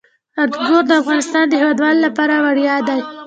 انګور د افغانستان د هیوادوالو لپاره ویاړ دی.